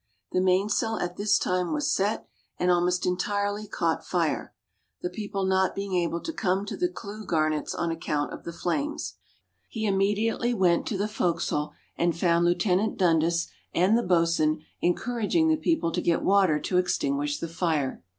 The main sail at this time was set, and almost entirely caught fire; the people not being able to come to the clue garnets on account of the flames. "He immediately went to the fore castle, and found Lieut. Dundas and the boatswain encouraging the people to get water to extinguish the fire.